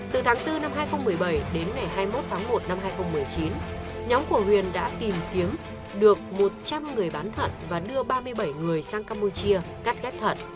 từ tháng bốn năm hai nghìn một mươi bảy đến ngày hai mươi một tháng một năm hai nghìn một mươi chín nhóm của huyền đã tìm kiếm được một trăm linh người bán thận và đưa ba mươi bảy người sang campuchia cắt ghép thận